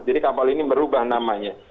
jadi kapal ini berubah namanya